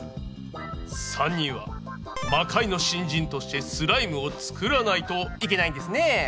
３人は魔界の新人としてスライムを作らないといけないんですねぇ。